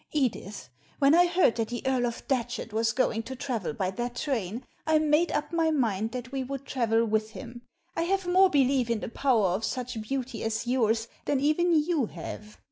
Edith, when I heard that the Earl of Datchet was going to travel by that train I made up my mind that we would travel with him. I have more belief in the power of such beauty as yours than even you have.